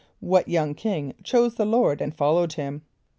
= What young king chose the Lord and followed him?